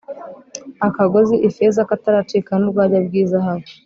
akagozi ifeza kataracika n urwabya rw izahabu